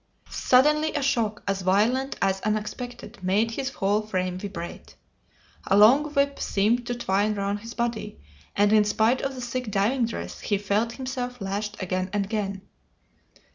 Suddenly a shock as violent as unexpected made his whole frame vibrate! A long whip seemed to twine round his body, and in spite of the thick diving dress he felt himself lashed again and again.